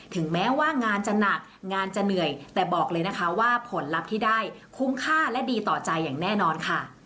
ถึงแม้ว่างานจะหนักงานจะเหนื่อยแต่บอกเลยนะคะว่าผลลัพธ์ที่ได้คุ้มค่าและดีต่อใจอย่างแน่นอนค่ะ